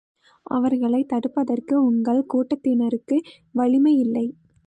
அவர்களைத் தடுப்பதற்கு உங்கள் கூட்டத்தினருக்கு வலிமையில்லை.